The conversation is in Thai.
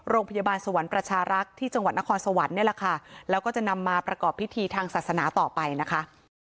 โรงพยาบาลสวรรค์ประชารักษ์ที่จังหวัดนครสวรรค์นี่แหละค่ะแล้วก็จะนำมาประกอบพิธีทางศาสนาต่อไปนะคะ